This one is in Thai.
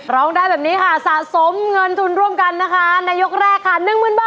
ร้องได้แบบนี้ค่ะสะสมเงินทุนร่วมกันนะคะในยกแรกค่ะหนึ่งหมื่นบาท